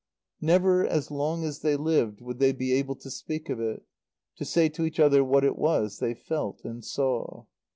Never as long as they lived would they be able to speak of it, to say to each other what it was they felt and saw.